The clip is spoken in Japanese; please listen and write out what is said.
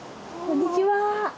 こんにちは。